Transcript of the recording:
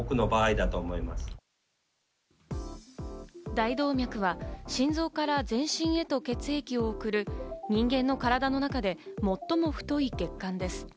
大動脈は心臓から全身へと血液を送る人間の体の中で最も太い血管です。